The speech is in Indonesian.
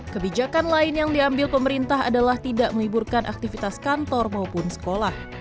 kebijakan lain yang diambil pemerintah adalah tidak meliburkan aktivitas kantor maupun sekolah